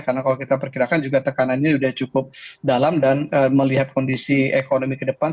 karena kalau kita perkirakan juga tekanannya sudah cukup dalam dan melihat kondisi ekonomi ke depan